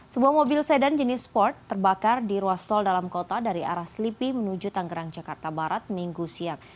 sebuah mobil sedan jenis sport terbakar di ruas tol dalam kota dari arah selipi menuju tanggerang jakarta barat minggu siang